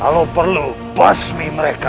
kalau perlu basmi mereka